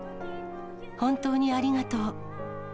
本当にありがとう。